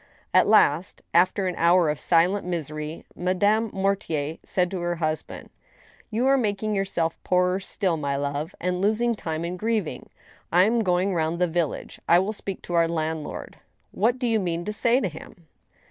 At last, after an hour of silent misery, Madame Mortier said to her husband :" You are making yourself poorer still, my love, and losing time in grieving. I am going round the village ; I will speak to our land lord." "What do you mean to say to him